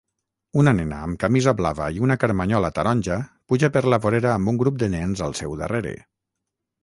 Una nena amb camisa blava i amb una carmanyola taronja puja per la vorera amb un grup de nens al seu darrere